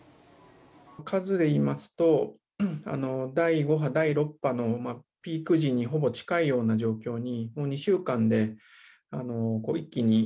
数でいいますと、第５波、第６波のピーク時にほぼ近いような状況にこの２週間で一気に。